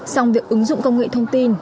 xong việc ứng dụng công nghệ thông tin